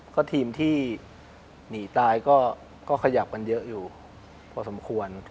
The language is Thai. ก็ทีมที่หนีตายก็ขยับกันเยอะอยู่พอสมควร